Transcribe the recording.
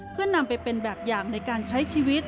เพื่อนำไปเป็นแบบอย่างในการใช้ชีวิต